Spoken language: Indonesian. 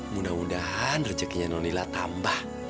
mudah mudahan rejekinya nonila tambah